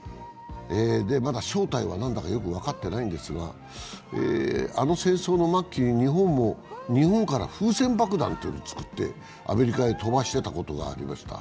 まだ正体は何だかよく分かっていないんですが、あの戦争の末期、日本も日本から風船爆弾というのを作ってアメリカに飛ばしていたことがありました。